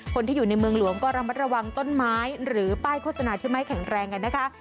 คนที่อยู่ในเมืองหลวงก็ระมัดระวังต้นไม้หรือป้ายโฆษณาที่ไม่แข็งแรงกันนะคะ